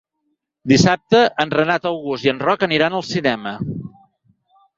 Dissabte en Renat August i en Roc aniran al cinema.